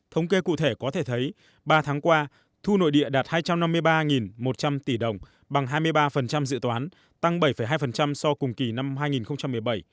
thống kê cụ thể có thể thấy ba tháng qua thu nội địa đạt hai trăm năm mươi ba một trăm linh tỷ đồng bằng hai mươi ba dự toán tăng bảy hai so với cùng kỳ năm hai nghìn một mươi bảy